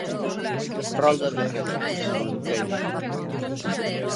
Rolda de réplica, señora Uceira.